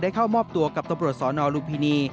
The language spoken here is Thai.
เข้ามอบตัวกับตำรวจสนลุมพินี